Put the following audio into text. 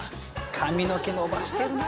髪の毛伸ばしてるな。